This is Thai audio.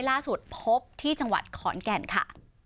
ล่าสุดพบที่จังหวัดขอนแก่นค่ะ